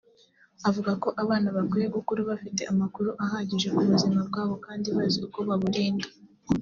Avuga ko abana bakwiye gukura bafite amakuru ahagije ku buzima bwabo kandi bazi uko baburinda